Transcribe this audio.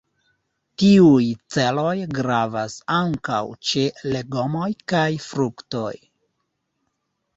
Tiuj celoj gravas ankaŭ ĉe legomoj kaj fruktoj.